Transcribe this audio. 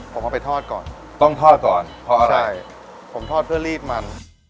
ผมเอาไปทอดก่อนต้องทอดก่อนทอดได้ผมทอดเพื่อรีดมัน